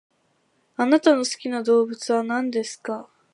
あなたの好きな動物は何ですか？